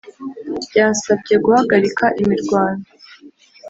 byasanbye guhagarika imirwano,